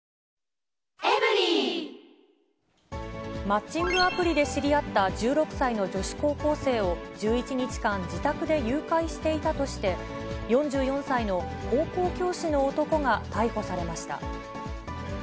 マッチングアプリで知り合った１６歳の女子高校生を１１日間、自宅で誘拐していたとして、４４歳の高校教師の男が逮捕されました。